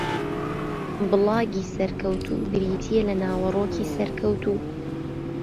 بڵاگی سەرکەوتوو بریتییە لە ناوەڕۆکی سەرکەوتوو